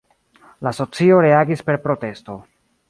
La socio reagis per protesto.